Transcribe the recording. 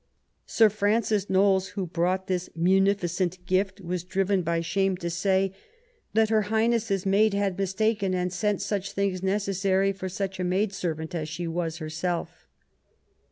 Sir Francis Knowles, who brought this munificent gift, was driven by shame to say "that Her Highness's maid had mistaken and sent such things necessary for such a maid servant as she was herself".